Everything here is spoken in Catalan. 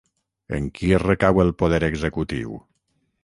En qui recau el poder executiu?